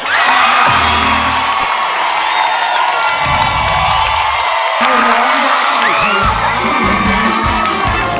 ร้องได้ให้ร้อง